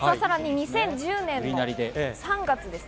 ２０１０年の３月です。